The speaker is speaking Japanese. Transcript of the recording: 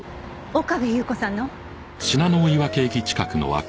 岡部祐子さんの？